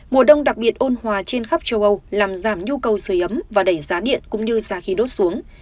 mùa đông đặc biệt ôn hòa trên khắp châu âu làm giảm nhu cầu sửa ấm và đẩy giá điện cũng như giá khí đốt xuống